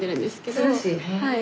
はい。